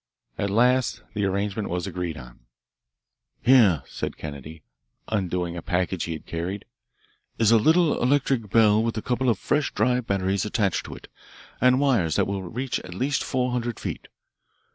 At last the arrangement was agreed on. "Here," said Kennedy, undoing a package he had carried, "is a little electric bell with a couple of fresh dry batteries attached to it, and wires that will reach at least four hundred feet.